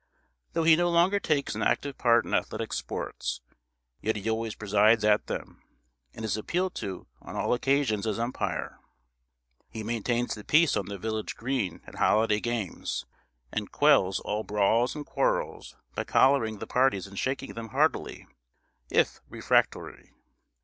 Though he no longer takes an active part in athletic sports, yet he always presides at them, and is appealed to on all occasions as umpire. He maintains the peace on the village green at holiday games, and quells all brawls and quarrels by collaring the parties and shaking them heartily, if refractory.